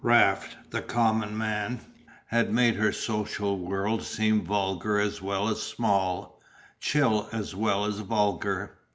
Raft, the common man, had made her social world seem vulgar as well as small, chill as well as vulgar.